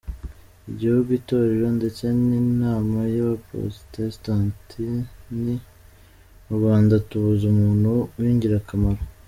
Igihugu, Itorero ndetse n’Inama y’abapotestani mu Rwanda tubuze umuntu w’ingirakamaro.